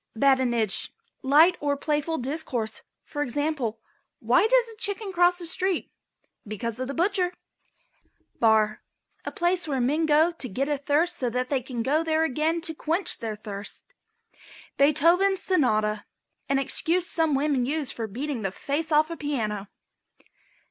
BADINAGE. Light or playful discourse. For example. "Why does a chicken cross the street? Because the butcher." BAR. A place where men go to get a thirst so that they can go there again to quench their thirst. BEETHOVEN'S SONATA. An excuse some women use for beating the face off a piano.